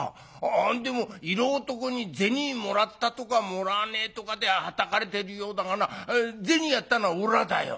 何でも色男に銭もらったとかもらわねえとかではたかれてるようだがな銭やったのはおらだよ。